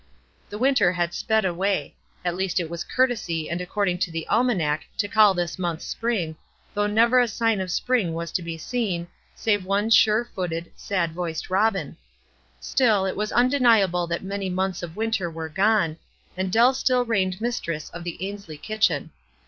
The winter had sped away ; at least it was courtesy and according to the almanac to call this month spring, though never a sign of spring was to be seen, save one sore footed, sad voiced robin 3 350 WISE AND OTHERWISE. still it was undeniable that many months of winter were gone ; and Dell still reigned mis tress of the Ainslie kitchen.